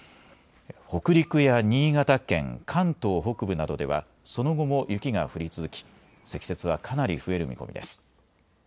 北陸や新潟県、関東北部などではその後も雪が降り続き積雪はかなり増える見込みです。